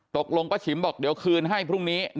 ตกลงพระฉิมบอกเดี๋ยวคืนให้พรุ่งนี้